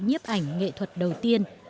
nhếp ảnh nghệ thuật đầu tiên